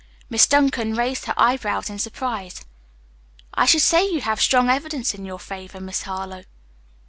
Miss Duncan raised her eyebrows in surprise. "I should say you had strong evidence in your favor, Miss Harlowe."